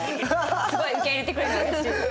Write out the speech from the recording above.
すごい受け入れてくれて嬉しい。